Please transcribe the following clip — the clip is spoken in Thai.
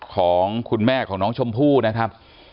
ของคุณแม่ของน้องชมพู่นะครับ